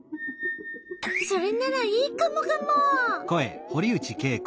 それならいいカモカモ。